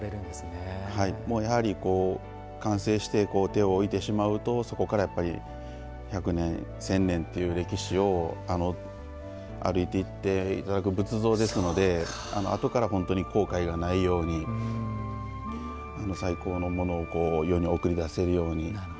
やはり完成して手を置いてしまうとそこからやっぱり１００年１０００年という歴史を歩いていっていただく仏像ですのであとから本当に後悔がないように最高のものを世に送り出せるように。